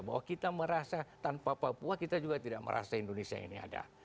bahwa kita merasa tanpa papua kita juga tidak merasa indonesia ini ada